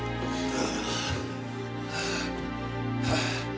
ああ！